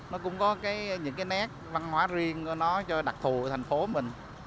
nó cũng có những cái nét văn hóa riêng của nó cho đặc thù thành phố mình